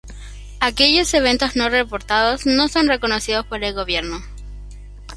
Aquellos eventos no reportados no son reconocidos por el gobierno.